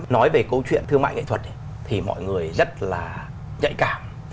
nói về câu chuyện thương mại nghệ thuật thì mọi người rất là nhạy cảm